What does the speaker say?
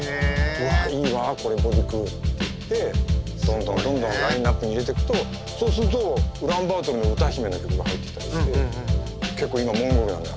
うわいいわＢｏｄｉｋｈｕｕっていってどんどんどんどんラインナップに入れてくとそうするとウランバートルの歌姫の曲が入ってきたりして結構今モンゴルなのよ